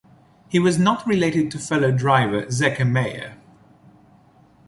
He was not related to fellow driver Zeke Meyer.